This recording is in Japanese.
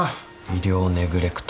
医療ネグレクト。